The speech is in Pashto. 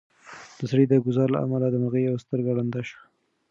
د سړي د ګوزار له امله د مرغۍ یوه سترګه ړنده شوه.